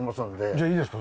じゃあいいですか？